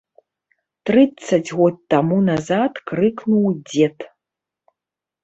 Трыццаць год таму назад крыкнуў дзед.